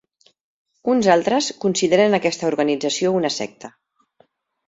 Uns altres consideren aquesta organització una secta.